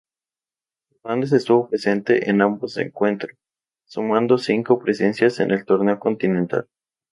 Fernández estuvo presente en ambos encuentro, sumando cinco presencias en el torneo continental.